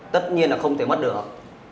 tất nhiên là không thể mất được